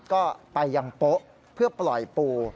ก็ไปยังโป๊ะเพื่อปล่อยปู